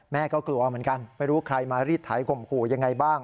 ก็กลัวเหมือนกันไม่รู้ใครมารีดไถข่มขู่ยังไงบ้าง